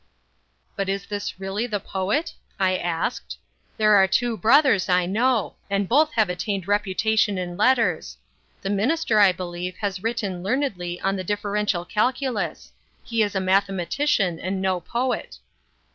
"But is this really the poet?" I asked. "There are two brothers, I know; and both have attained reputation in letters. The Minister I believe has written learnedly on the Differential Calculus. He is a mathematician, and no poet."